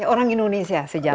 orang indonesia sejati kan